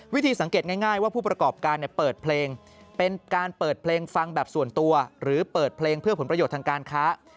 วิธีสังเกตง่ายว่าผู้ประกอบการเปิดเพลงเป็นการเปิดเพลงฟังแบบส่วนตัวหรือเปิดเพลงเพื่อผลประโยชน์ทางการค้า